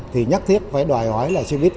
thì nhất thiết phải đòi hỏi là showbiz